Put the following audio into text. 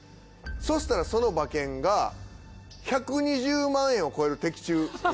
そしたらその馬券が１２０万円を超える的中。